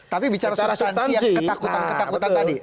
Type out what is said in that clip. tapi bicara secara saksian ketakutan tadi